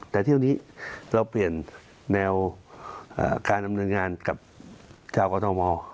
แถวนี้เราเปลี่ยนแนวเอ่อการนำลังงานกับเช่ากอทองหมอ